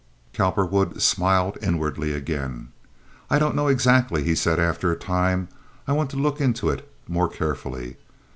Cowperwood smiled inwardly again. "I don't know exactly," he said, after a time. "I want to look into it more carefully.